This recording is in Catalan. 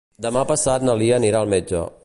Demà passat na Lia anirà al metge.